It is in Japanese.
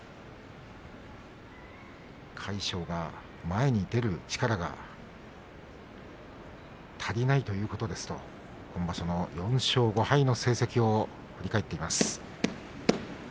魁勝が前に出る力が足りないということですと今場所、４勝５敗の成績を本人が振り返っています。